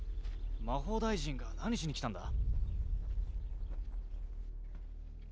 魔法大臣が何しに来たんだ？